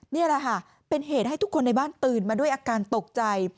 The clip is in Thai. นี่แหละค่ะเป็นเหตุให้ทุกคนในบ้านตื่นมาด้วยอาการตกใจ